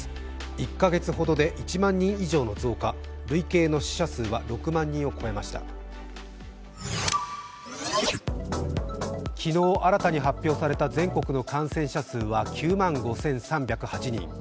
１か月ほどで１万人以上の増加、累計の死者数は６万人を超えました昨日新たに発表された全国の感染者数は９万５３０８人。